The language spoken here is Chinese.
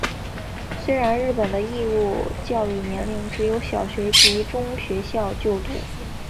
虽然日本的义务教育年限只有小学及中学校就读。